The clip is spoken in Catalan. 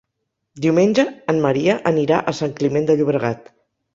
Diumenge en Maria anirà a Sant Climent de Llobregat.